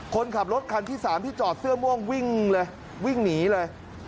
คนขับรถคันที่๓ที่จอดเสื้อม่วงวิ่งเลยวิ่งหนีเลย